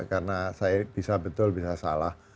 karena saya bisa betul bisa salah